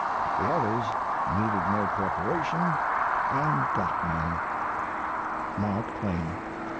The others needed no preparation, & got none. MARK TWAIN.